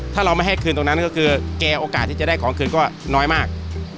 ถ้าเราไม่ให้คืนตรงนั้นก็คือแกโอกาสที่จะได้ของคืนก็น้อยมาก